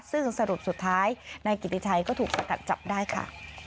ซึ่งสรุปสุดท้ายนายกิติชัยก็ถูกสกัดจับได้ค่ะ